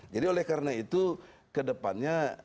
jadi oleh karena itu kedepannya